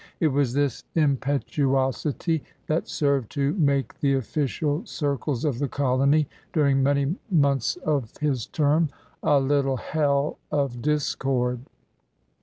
It was this impetuosity that served to make the official circles of the colony, during many months of his term, a ''little hell of discord.